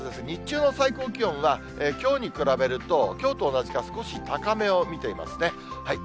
日中の最高気温は、きょうに比べると、きょうと同じか、少し高めを見ていますね。